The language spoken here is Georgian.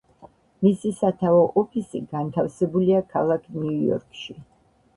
მისი სათავო ოფისი განთავსებულია ქალაქ ნიუ-იორკში.